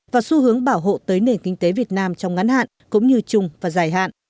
và xu hướng bảo hộ tới nền kinh tế việt nam trong ngắn hạn cũng như chung và dài hạn